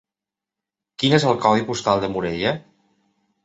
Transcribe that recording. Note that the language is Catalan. Quin és el codi postal de Morella?